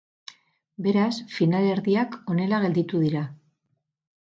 Beraz finalerdiak honela gelditu dira.